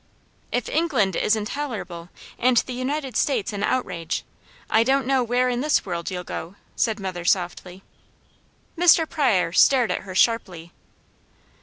"If England is intolerable, and the United States an outrage, I don't know where in this world you'll go," said mother softly. Mr. Pryor stared at her sharply.